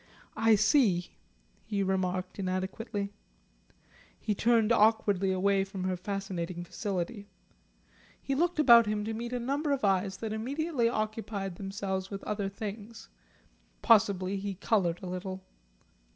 "I see," he remarked inadequately. He turned awkwardly away from her fascinating facility. He looked about him to meet a number of eyes that immediately occupied themselves with other things. Possibly he coloured a little.